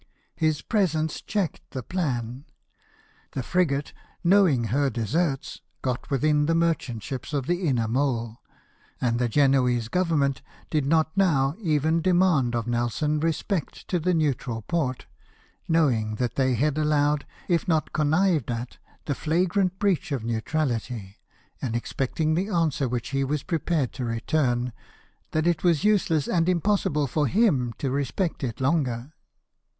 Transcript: His presence checked the plan ; the frigate, knowing her deserts, got within the merchant ships in the inner mole ; and the Genoese Government did not now even demand of Nelson respect to the neutral port, knowing that they had allowed, if not connived at, a flagrant breach of neutrality, and expecting the answer which he was prepared to return, that it was useless and impossible for him to respect it longer.